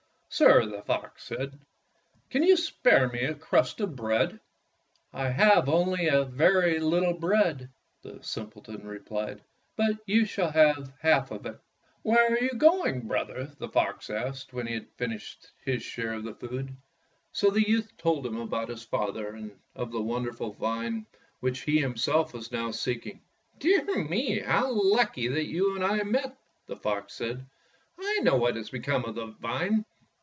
"Sir," the fox said, "can you spare me a crust of bread?" "I have only a very little bread," the simpleton replied, "but you shall have half of it." "Where are you going, brother?" the fox asked when he had finished his share of the food. 39 Fairy Tale Foxes So the youth told about his father; and of the wonderful vine, which he himseh was now seeking. '' Dear me, how lucky that you and I met !'' the fox said. "I know what has become of that vine.